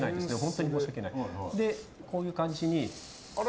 こういう感じに。